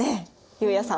悠也さん